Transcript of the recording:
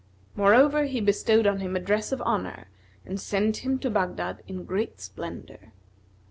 Moreover, he bestowed on him a dress of honour and sent him to Baghdad in great splendour.